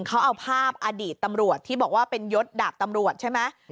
เขาเอาภาพอดีตตำรวจที่บอกว่าเป็นยศดาบตำรวจใช่ไหม